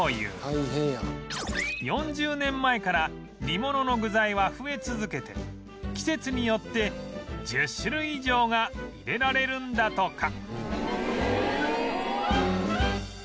４０年前から煮物の具材は増え続けて季節によって１０種類以上が入れられるんだとか